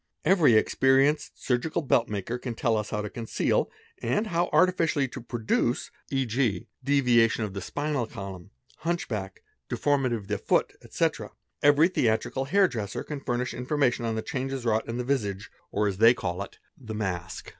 very experienced surgical belt make can tell us how to conceal and how artificially to produce, e.g. deviatio of the spinal column, hunch back, deformity of the foot, etc., every the : trical hair dresser can furnish information on the changes wrought in visage, or as they call it, the mask.